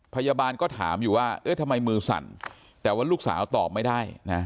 พยาบาลก็ถามอยู่ว่าเอ๊ะทำไมมือสั่นแต่ว่าลูกสาวตอบไม่ได้นะ